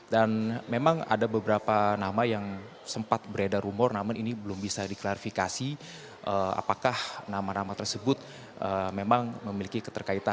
dan memang ada beberapa nama yang sempat beredar rumor namun ini belum bisa diklarifikasi apakah nama nama tersebut memang memiliki